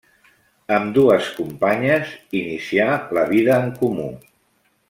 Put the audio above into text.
Amb dues companyes, inicià la vida en comú.